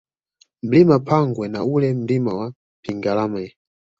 Mlima Pagwe na ule Mlima wa Pingalame